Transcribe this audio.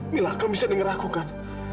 inilah kamu bisa dengar aku kan